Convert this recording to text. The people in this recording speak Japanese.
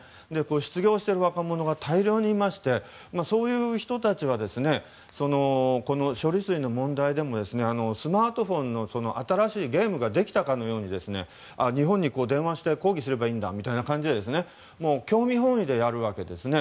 失業している若者が大量にいましてそういう人たちはこの処理水の問題でもスマートフォンの新しいゲームができたかのように日本に電話して抗議すればいいんだみたいな感じで興味本位でやるわけですね。